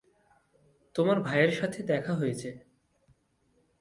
তোমার ভাইয়ের সাথে দেখা হয়েছে।